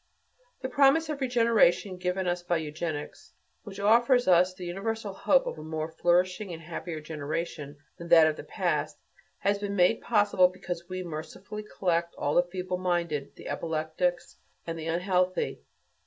The promise of regeneration given us by eugenics, which offers us the universal hope of a more flourishing and happier generation than that of the past has been made possible because we mercifully collect all the feeble minded, the epileptics and the unhealthy.